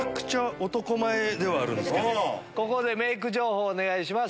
ここでメイク情報お願いします。